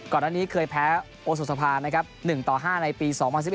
ก่อนหน้านี้เคยแพ้อสุภา๑๕ในปี๒๐๑๑